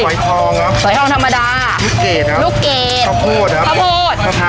อยทองครับสอยทองธรรมดาลูกเกดครับลูกเกดข้าวโพดครับข้าวโพด